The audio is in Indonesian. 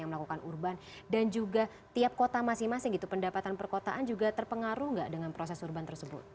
yang melakukan urban dan juga tiap kota masing masing gitu pendapatan perkotaan juga terpengaruh nggak dengan proses urban tersebut